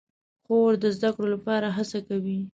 خور د زده کړو لپاره هڅه کوي.